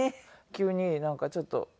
急になんかちょっと。